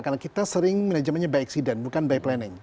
karena kita sering manajemennya by accident bukan by planning